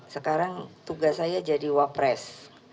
sekarang tugas saya jadi wapres